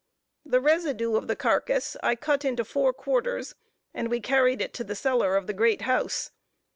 The residue of the carcass I cut into four quarters, and we carried it to the cellar of the great house.